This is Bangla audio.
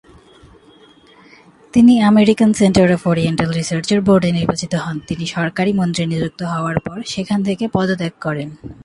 তিনি আমেরিকান সেন্টার অফ ওরিয়েন্টাল রিসার্চের বোর্ডে নির্বাচিত হন, তিনি সরকারি মন্ত্রী নিযুক্ত হওয়ার পর সেখান থেকে পদত্যাগ করেন।